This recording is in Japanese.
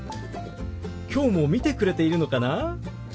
きょうも見てくれているのかな？